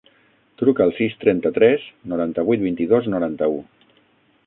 Truca al sis, trenta-tres, noranta-vuit, vint-i-dos, noranta-u.